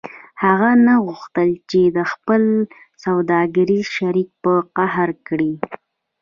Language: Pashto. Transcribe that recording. هغه نه غوښتل چې خپل سوداګریز شریک په قهر کړي